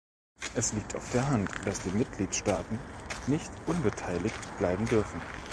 Es liegt auf der Hand, dass die Mitgliedstaaten nicht unbeteiligt bleiben dürfen.